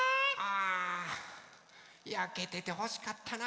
やけててほしかったな。